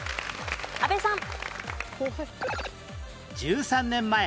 阿部さん。